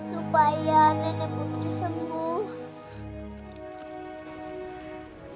supaya nenek putri sembuh